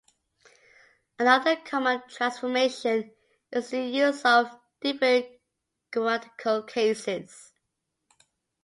Another common transformation is the use of different grammatical cases.